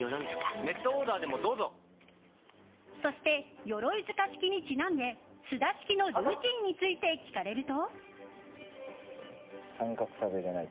そしてヨロイヅカ式にちなんで菅田式のルーティンについて聞かれると？